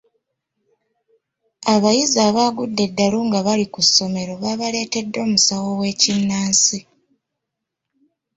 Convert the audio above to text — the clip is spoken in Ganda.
Abayizi abaagudde eddalu nga bali ku somero baabaletedde omusawo w'ekinnansi.